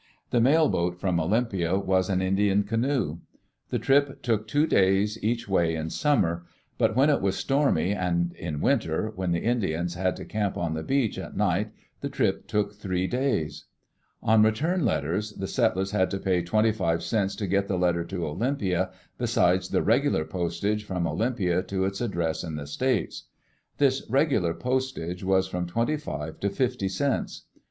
The mail boat from Olympia was an Indian canoe. The trip took two days each way in summer, but when It was stormy and in winter, when the Indians had to camp on the beach at night, the trip took three days. On return letters, the settlers had to pay twenty five cents to get the letter to Olympia, besides the regular postage from Olympia to Its address in " the States.